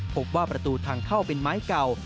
พบว่าประตูทางเข้าเป็นไม้เก่า